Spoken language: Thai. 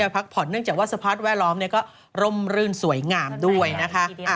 พักผ่อนเนื่องจากว่าสภาพแวดล้อมก็ร่มรื่นสวยงามด้วยนะคะ